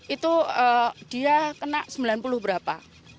itu dia kena sembilan puluh berapa